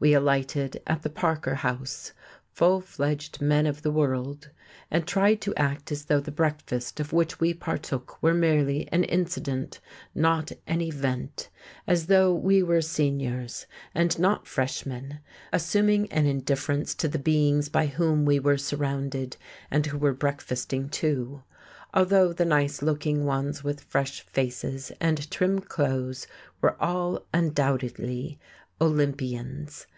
We alighted at the Parker House, full fledged men of the world, and tried to act as though the breakfast of which we partook were merely an incident, not an Event; as though we were Seniors, and not freshmen, assuming an indifference to the beings by whom we were surrounded and who were breakfasting, too, although the nice looking ones with fresh faces and trim clothes were all undoubtedly Olympians.